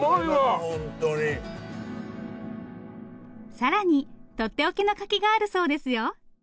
更にとっておきの柿があるそうですよ。